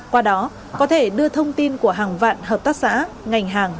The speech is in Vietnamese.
qua đó có thể đưa thông tin của hàng vạn hợp tác xã ngành hàng